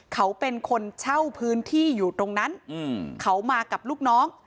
เขาเป็นคนเช่าพื้นที่อยู่ตรงนั้นเขามากับลูกน้อง